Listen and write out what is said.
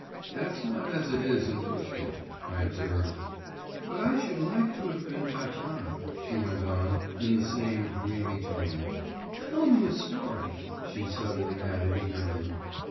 'That's not as it is in Pushkin,' I observed. 'But I should like to have been Tatiana,' she went on, in the same dreamy tone. 'Tell me a story,' she suddenly added eagerly.